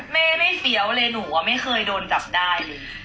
ไม่เพียวเลยหนูอะไม่เคยโดนจับได้